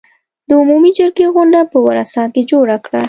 د عمومي جرګې غونډه په ورسا کې جوړه کړه.